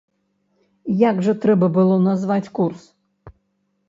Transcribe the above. Як жа трэба было назваць курс?